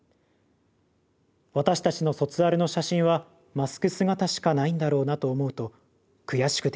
私たちの卒アルの写真はマスク姿しかないんだろうなと思うと悔しくてたまりません。